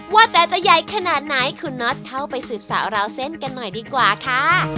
ว่าแต่จะใหญ่ขนาดไหนคุณน็อตเข้าไปสืบสาวราวเส้นกันหน่อยดีกว่าค่ะ